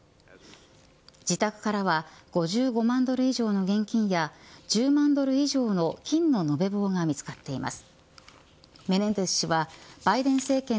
自宅からは５５万ドル以上の現金や１０万ドル以上の金の延べ棒が見つかっています。